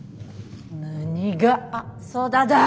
何が「あっそうだ」だ。